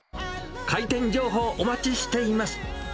開店情報、お待ちしています。